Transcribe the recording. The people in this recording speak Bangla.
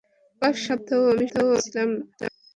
কয়েক সপ্তাহ আমি শহরে ছিলাম না।